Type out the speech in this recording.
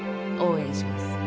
応援します。